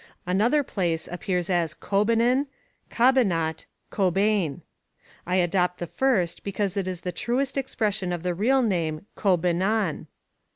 Another place appears as COBINAN, Cabanat, Cobian. I adopt the first because it is the truest ex pression of the real name Koh bendn.